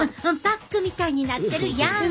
パックみたいになってるやん。